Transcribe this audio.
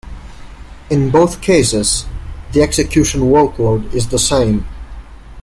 In both cases the execution workload is the same.